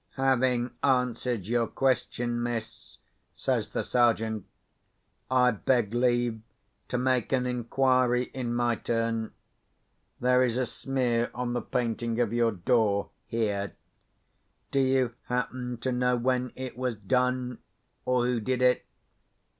"Having answered your question, miss," says the Sergeant, "I beg leave to make an inquiry in my turn. There is a smear on the painting of your door, here. Do you happen to know when it was done? or who did it?"